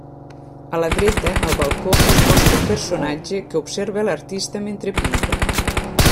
A la dreta, al balcó, es mostra un personatge que observa l'artista mentre pinta.